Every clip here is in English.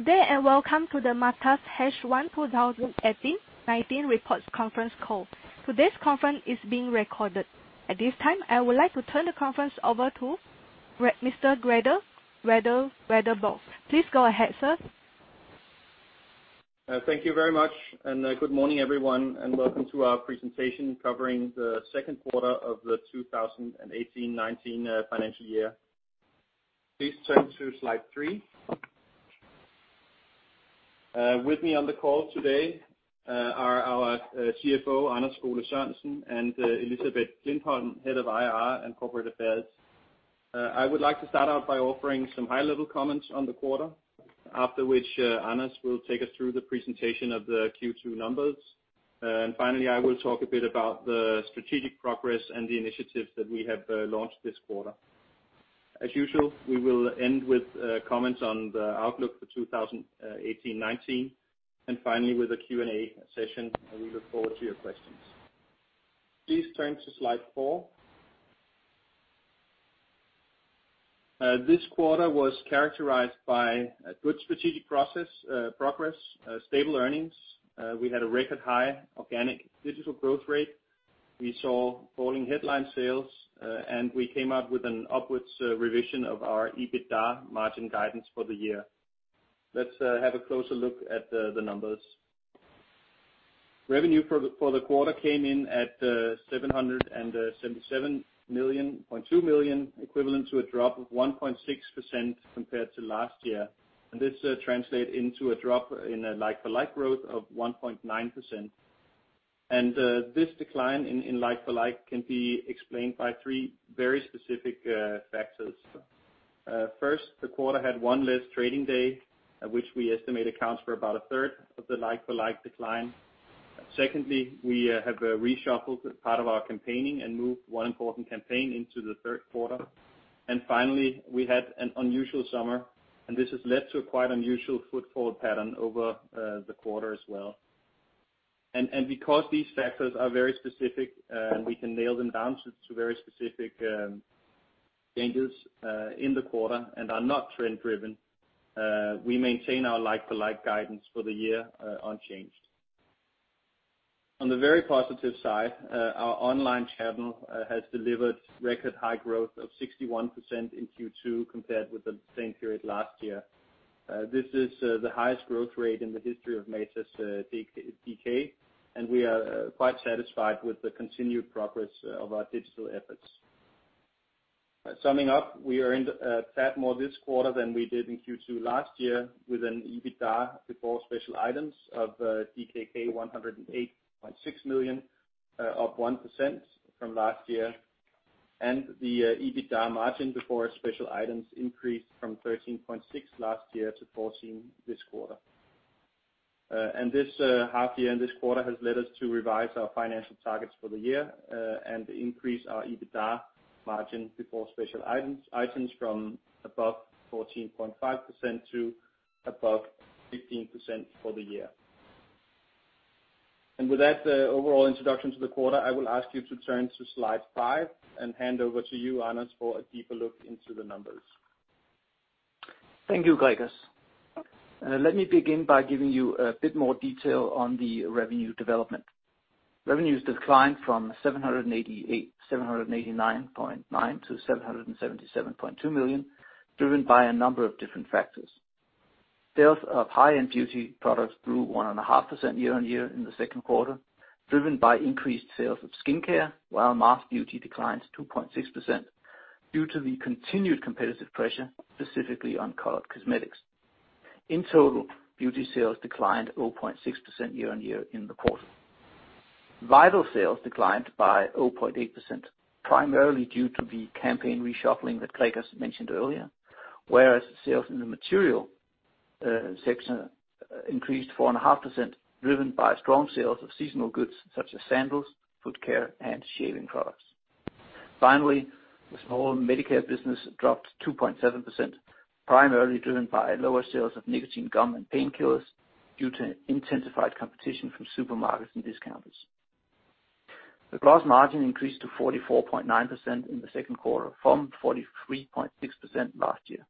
Good day, welcome to the Matas H1 2018-19 reports conference call. Today's conference is being recorded. At this time, I would like to turn the conference over to Mr. Gregers Wedell-Wedellsborg. Please go ahead, sir. Thank you very much, good morning, everyone, welcome to our presentation covering the second quarter of the 2018-19 financial year. Please turn to slide three. With me on the call today are our CFO, Anders Skole-Sørensen and Elisabeth Klintholm, Head of IR and Corporate Affairs. I would like to start out by offering some high-level comments on the quarter, after which Anders will take us through the presentation of the Q2 numbers. Finally, I will talk a bit about the strategic progress and the initiatives that we have launched this quarter. As usual, we will end with comments on the outlook for 2018-19, finally, with a Q&A session, we look forward to your questions. Please turn to slide four. We saw falling headline sales, we came out with an upwards revision of our EBITDA margin guidance for the year. Let's have a closer look at the numbers. Revenue for the quarter came in at 777.2 million, equivalent to a drop of 1.6% compared to last year. This translate into a drop in a like-for-like growth of 1.9%. This decline in like-for-like can be explained by three very specific factors. First, the quarter had one less trading day, which we estimate accounts for about a third of the like-for-like decline. Secondly, we have reshuffled part of our campaigning and moved one important campaign into the third quarter. Finally, we had an unusual summer, this has led to a quite unusual footfall pattern over the quarter as well. Because these factors are very specific and we can nail them down to very specific changes in the quarter and are not trend-driven, we maintain our like-for-like guidance for the year unchanged. On the very positive side, our online channel has delivered record high growth of 61% in Q2 compared with the same period last year. This is the highest growth rate in the history of matas.dk, we are quite satisfied with the continued progress of our digital efforts. Summing up, we earned a tad more this quarter than we did in Q2 last year with an EBITDA before special items of DKK 108.6 million, up 1% from last year. The EBITDA margin before special items increased from 13.6% last year to 14% this quarter. This half year and this quarter has led us to revise our financial targets for the year, and increase our EBITDA margin before special items from above 14.5% to above 15% for the year. With that overall introduction to the quarter, I will ask you to turn to slide five and hand over to you, Anders, for a deeper look into the numbers. Thank you, Gregers. Let me begin by giving you a bit more detail on the revenue development. Revenues declined from 789.9 million to 777.2 million, driven by a number of different factors. Sales of high-end beauty products grew 1.5% year-on-year in the second quarter, driven by increased sales of skincare, while mass beauty declined 2.6% due to the continued competitive pressure, specifically on colored cosmetics. In total, beauty sales declined 0.6% year-on-year in the quarter. Vital sales declined by 0.8%, primarily due to the campaign reshuffling that Gregers mentioned earlier, whereas sales in the material section increased 4.5%, driven by strong sales of seasonal goods such as sandals, foot care, and shaving products. Finally, the small MediCare business dropped 2.7%, primarily driven by lower sales of nicotine gum and painkillers due to intensified competition from supermarkets and discounters. The gross margin increased to 44.9% in the second quarter from 43.6% last year.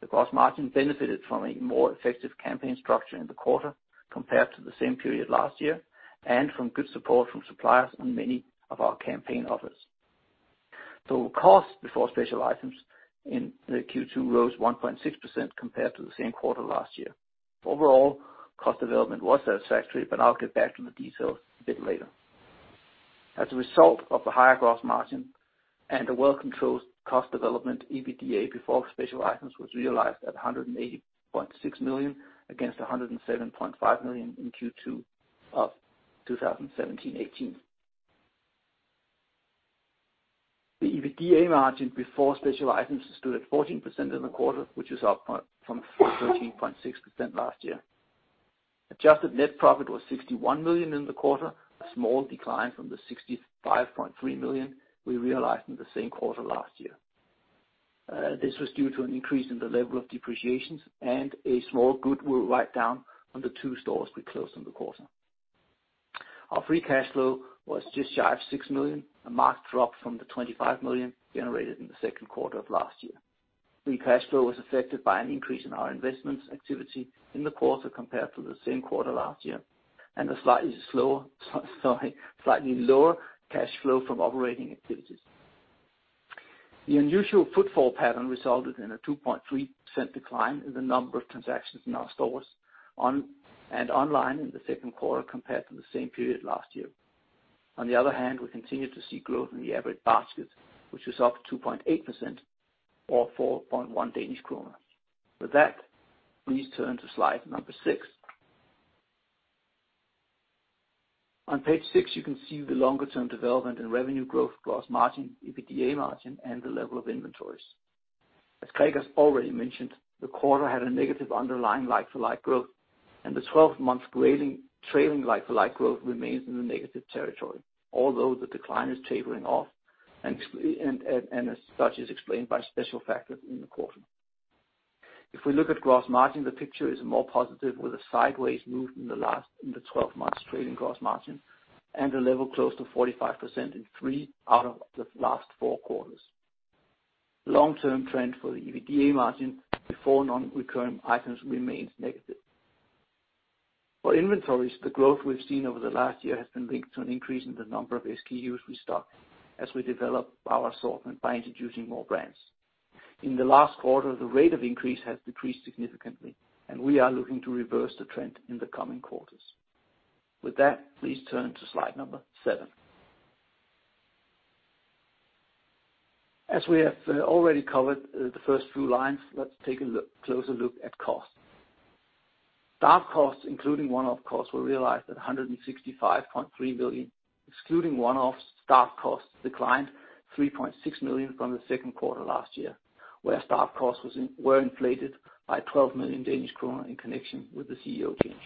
The gross margin benefited from a more effective campaign structure in the quarter compared to the same period last year, and from good support from suppliers on many of our campaign offers. Cost before special items in the Q2 rose 1.6% compared to the same quarter last year. Overall cost development was satisfactory. I will get back to the details a bit later. As a result of the higher gross margin and the well-controlled cost development, EBITDA before special items was realized at 108.6 million against 107.5 million in Q2 of 2017-2018. The EBITDA margin before special items stood at 14% in the quarter, which is up from 13.6% last year. Adjusted net profit was 61 million in the quarter, a small decline from the 65.3 million we realized in the same quarter last year. This was due to an increase in the level of depreciations and a small goodwill write-down on the two stores we closed in the quarter. Our free cash flow was just shy of 6 million, a marked drop from the 25 million generated in the second quarter of last year. Free cash flow was affected by an increase in our investments activity in the quarter compared to the same quarter last year, and a slightly lower cash flow from operating activities. The unusual footfall pattern resulted in a 2.3% decline in the number of transactions in our stores and online in the second quarter, compared to the same period last year. On the other hand, we continue to see growth in the average basket, which is up 2.8% or 4.1 Danish kroner. With that, please turn to slide number six. On page six, you can see the longer-term development in revenue growth, gross margin, EBITDA margin, and the level of inventories. As Gregers already mentioned, the quarter had a negative underlying like-for-like growth, and the 12-month trailing like-for-like growth remains in the negative territory, although the decline is tapering off, and as such is explained by special factors in the quarter. If we look at gross margin, the picture is more positive with a sideways move in the 12-month trailing gross margin and a level close to 45% in three out of the last four quarters. Long-term trend for the EBITDA margin before non-recurring items remains negative. For inventories, the growth we've seen over the last year has been linked to an increase in the number of SKUs we stock as we develop our assortment by introducing more brands. In the last quarter, the rate of increase has decreased significantly, and we are looking to reverse the trend in the coming quarters. With that, please turn to slide number seven. As we have already covered the first few lines, let's take a closer look at cost. Staff costs, including one-off costs, were realized at 165.3 million. Excluding one-offs, staff costs declined 3.6 million from the second quarter last year, where staff costs were inflated by 12 million Danish kroner in connection with the CEO change.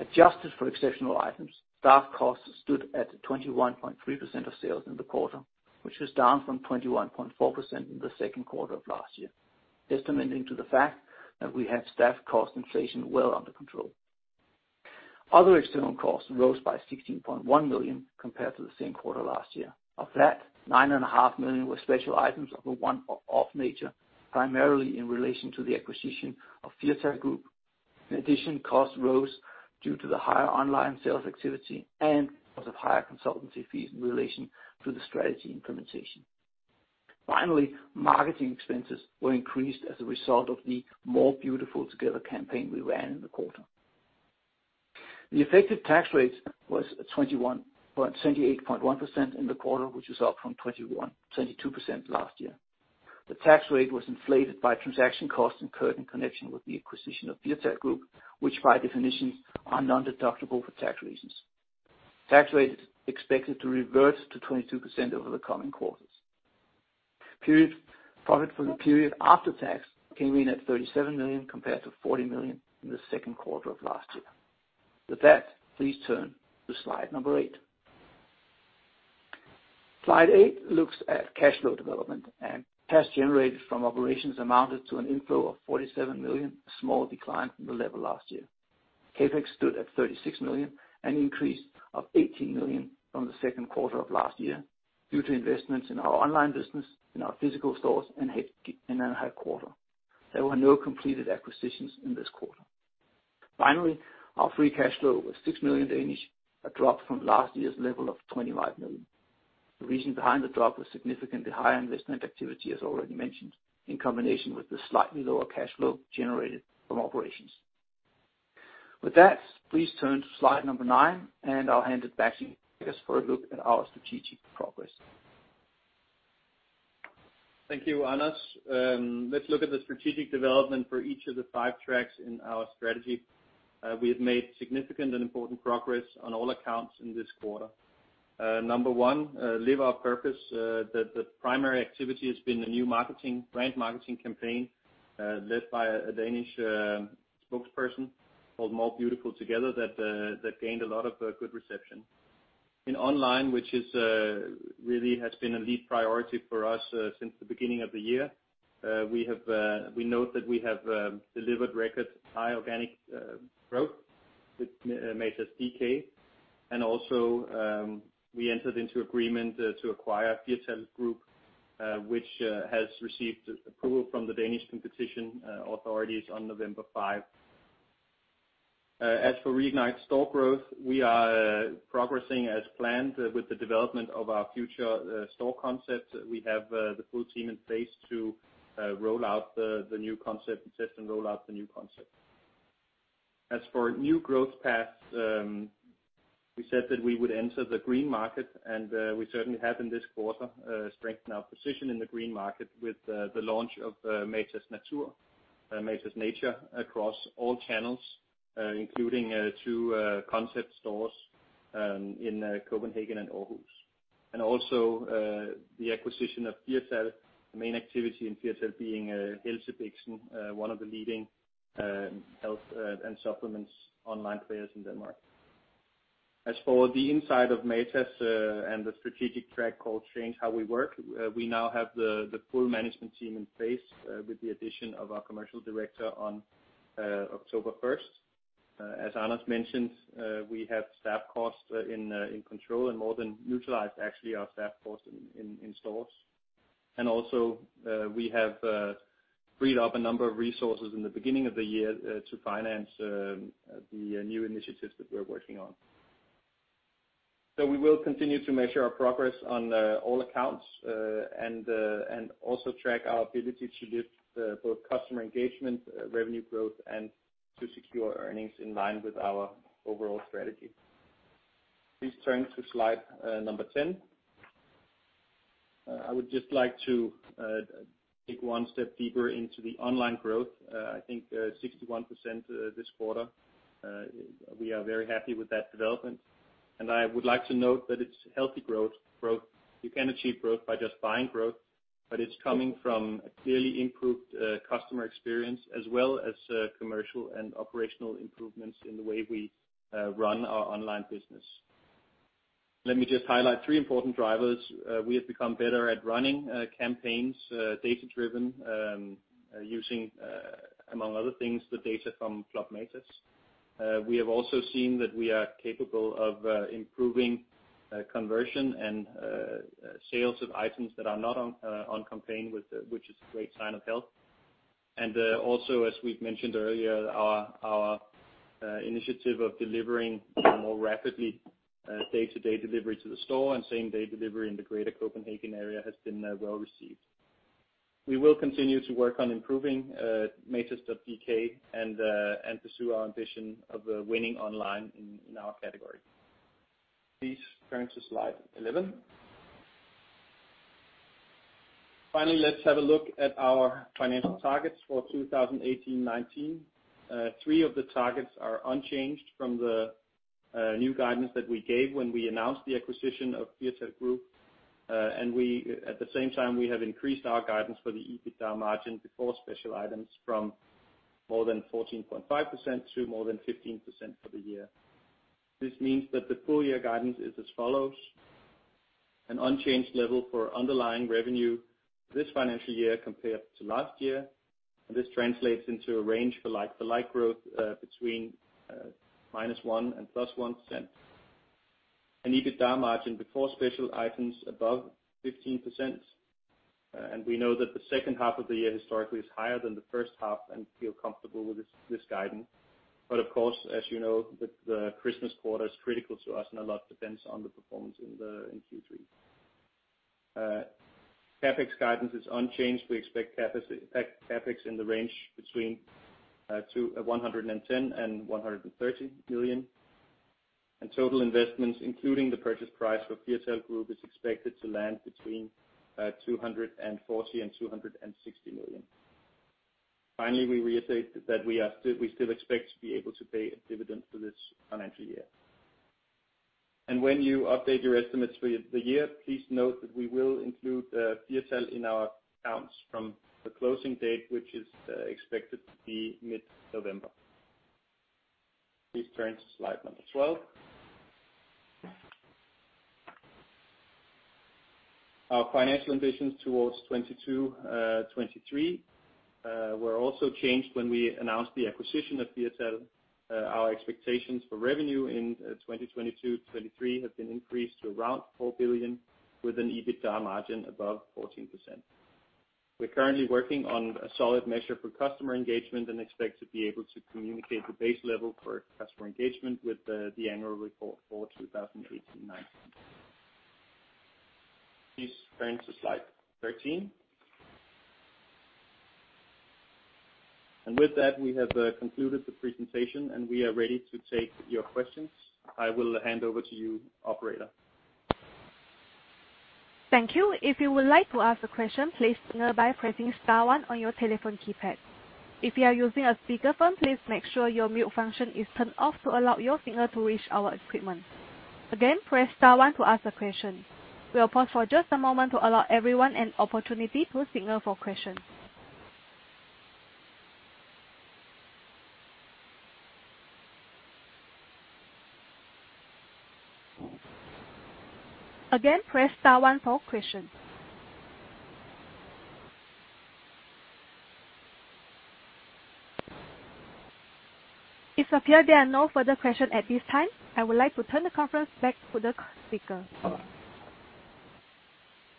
Adjusted for exceptional items, staff costs stood at 21.3% of sales in the quarter, which was down from 21.4% in the second quarter of last year, attesting to the fact that we have staff cost inflation well under control. Other external costs rose by 16.1 million compared to the same quarter last year. Of that, 9.5 million were special items of a one-off nature, primarily in relation to the acquisition of Firtal Group. In addition, costs rose due to the higher online sales activity and because of higher consultancy fees in relation to the strategy implementation. Finally, marketing expenses were increased as a result of the More Beautiful Together campaign we ran in the quarter. The effective tax rate was 28.1% in the quarter, which is up from 22% last year. The tax rate was inflated by transaction costs incurred in connection with the acquisition of Firtal Group, which by definition are non-deductible for tax reasons. Tax rate is expected to revert to 22% over the coming quarters. Profit for the period after tax came in at 37 million compared to 40 million in the second quarter of last year. With that, please turn to slide number eight. Slide eight looks at cash flow development. Cash generated from operations amounted to an inflow of 47 million, a small decline from the level last year. CapEx stood at 36 million, an increase of 18 million from the second quarter of last year due to investments in our online business, in our physical stores, and in our headquarter. There were no completed acquisitions in this quarter. Finally, our free cash flow was 6 million, a drop from last year's level of 25 million. The reason behind the drop was significantly higher investment activity, as already mentioned, in combination with the slightly lower cash flow generated from operations. With that, please turn to slide number nine, and I'll hand it back to Gregers for a look at our strategic progress. Thank you, Anders. Let's look at the strategic development for each of the five tracks in our strategy. We have made significant and important progress on all accounts in this quarter. Number one, live our purpose. The primary activity has been the new brand marketing campaign led by a Danish spokesperson called More Beautiful Together that gained a lot of good reception. In online, which really has been a lead priority for us since the beginning of the year, we note that we have delivered record high organic growth with matas.dk. We entered into agreement to acquire Firtal Group, which has received approval from the Danish competition authorities on November 5. As for reignite store growth, we are progressing as planned with the development of our future store concepts. We have the full team in place to roll out the new concept and test and roll out the new concept. As for new growth paths, we said that we would enter the green market, we certainly have in this quarter strengthened our position in the green market with the launch of Matas Natur, Matas Natur, across all channels, including two concept stores in Copenhagen and Aarhus. The acquisition of Firtal, the main activity in Firtal being Helsebixen, one of the leading health and supplements online players in Denmark. As for the inside of Matas and the strategic track called Change How We Work, we now have the full management team in place with the addition of our commercial director on October 1st. As Anders mentioned, we have staff costs in control and more than utilized actually our staff costs in stores. We have freed up a number of resources in the beginning of the year to finance the new initiatives that we're working on. We will continue to measure our progress on all accounts, and also track our ability to lift both customer engagement, revenue growth, and to secure earnings in line with our overall strategy. Please turn to slide number 10. I would just like to dig one step deeper into the online growth. I think 61% this quarter. We are very happy with that development, and I would like to note that it's healthy growth. You can achieve growth by just buying growth, but it's coming from a clearly improved customer experience as well as commercial and operational improvements in the way we run our online business. Let me just highlight three important drivers. We have become better at running campaigns, data-driven, using, among other things, the data from Club Matas. We have also seen that we are capable of improving conversion and sales of items that are not on campaign, which is a great sign of health. As we've mentioned earlier, our initiative of delivering more rapidly, day-to-day delivery to the store and same-day delivery in the greater Copenhagen area has been well received. We will continue to work on improving matas.dk and pursue our ambition of winning online in our category. Please turn to slide 11. Finally, let's have a look at our financial targets for 2018-'19. Three of the targets are unchanged from the new guidance that we gave when we announced the acquisition of Firtal Group. At the same time, we have increased our guidance for the EBITDA margin before special items from more than 14.5% to more than 15% for the year. This means that the full year guidance is as follows. An unchanged level for underlying revenue this financial year compared to last year, and this translates into a range for like-for-like growth between -1% and +1%. An EBITDA margin before special items above 15%. We know that the second half of the year historically is higher than the first half and feel comfortable with this guidance. Of course, as you know, the Christmas quarter is critical to us and a lot depends on the performance in Q3. CapEx guidance is unchanged. We expect CapEx in the range between 110 million and 130 million. Total investments, including the purchase price for Firtal Group, is expected to land between 240 million and 260 million. Finally, we reiterate that we still expect to be able to pay a dividend for this financial year. When you update your estimates for the year, please note that we will include Firtal in our accounts from the closing date, which is expected to be mid-November. Please turn to slide number 12. Our financial ambitions towards 2022, 2023 were also changed when we announced the acquisition of Firtal. Our expectations for revenue in 2022 to 2023 have been increased to around 4 billion, with an EBITDA margin above 14%. We're currently working on a solid measure for customer engagement and expect to be able to communicate the base level for customer engagement with the annual report for 2018-2019. Please turn to slide 13. With that, we have concluded the presentation and we are ready to take your questions. I will hand over to you, operator. Thank you. If you would like to ask a question, please signal by pressing star one on your telephone keypad. If you are using a speakerphone, please make sure your mute function is turned off to allow your signal to reach our equipment. Again, press star one to ask a question. We'll pause for just a moment to allow everyone an opportunity to signal for questions. Again, press star one for questions. It appears there are no further questions at this time. I would like to turn the conference back to the speaker.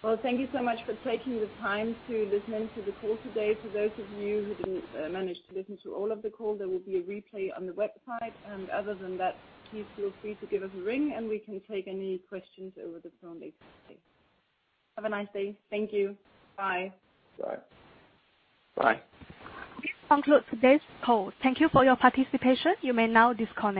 Well, thank you so much for taking the time to listen to the call today. For those of you who didn't manage to listen to all of the call, there will be a replay on the website. Other than that, please feel free to give us a ring and we can take any questions over the phone later today. Have a nice day. Thank you. Bye. Bye. Bye. This concludes today's call. Thank you for your participation. You may now disconnect.